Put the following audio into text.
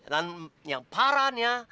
dan yang parahnya